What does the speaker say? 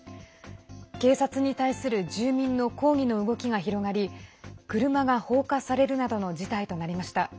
警察に対する住民の抗議の動きが広がり車が放火されるなどの事態となりました。